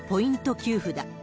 給付だ。